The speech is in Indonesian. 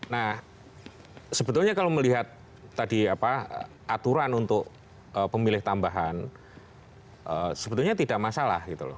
nah sebetulnya kalau melihat tadi apa aturan untuk pemilih tambahan sebetulnya tidak masalah gitu loh